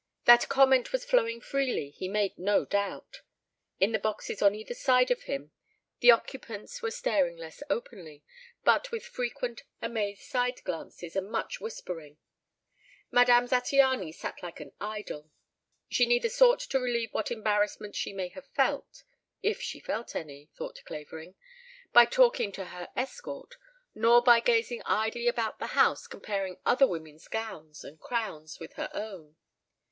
That comment was flowing freely, he made no doubt. In the boxes on either side of him the occupants were staring less openly, but with frequent amazed side glances and much whispering. Madame Zattiany sat like an idol. She neither sought to relieve what embarrassment she may have felt if she felt any! thought Clavering by talking to her escort nor by gazing idly about the house comparing other women's gowns and crowns with her own.